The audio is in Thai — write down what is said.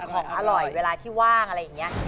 ของอร่อยเวลาที่ว่างอะไรอย่างนี้